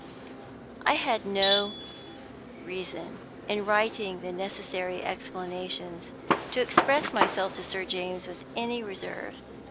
I had no reason, in writing the necessary explanations, to express myself to Sir James with any reserve.